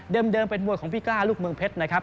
เป็นมวยของพี่กล้าลูกเมืองเพชรนะครับ